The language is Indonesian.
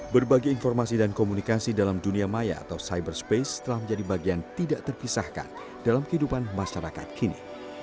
berbagai informasi dan komunikasi dalam dunia maya atau cyber space telah menjadi bagian tidak terpisahkan dalam kehidupan masyarakat kini